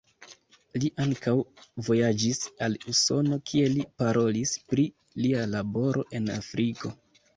Li ankaŭ vojaĝis al Usono, kie li parolis pri lia laboro en Afriko.